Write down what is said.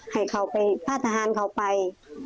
ให้เขาไปพจชาติฐานเขาไป